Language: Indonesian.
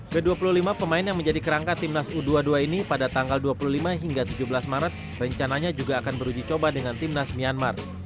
ke dua puluh lima pemain yang menjadi kerangka timnas u dua puluh dua ini pada tanggal dua puluh lima hingga tujuh belas maret rencananya juga akan beruji coba dengan timnas myanmar